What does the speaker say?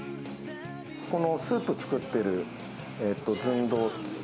このスープ作ってる寸胴。